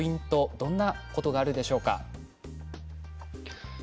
どんなことがあるでしょうか。